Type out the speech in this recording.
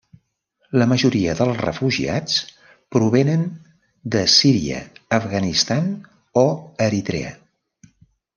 La majoria dels refugiats provenen de Síria, Afganistan o Eritrea.